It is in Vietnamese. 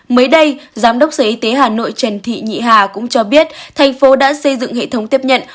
mới đây giám đốc sở y tế hà nội trần thị nhị hà cũng cho biết thành phố đã xây dựng hệ thống tiếp nhận